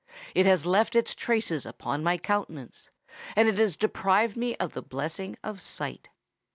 It has left its traces upon my countenance—and it has deprived me of the blessing of sight.